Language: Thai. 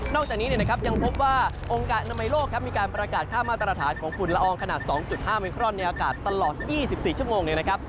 จากนี้นะครับยังพบว่าองค์การอนามัยโลกครับมีการประกาศค่ามาตรฐานของฝุ่นละอองขนาด๒๕มิครอนในอากาศตลอด๒๔ชั่วโมงเนี่ยนะครับ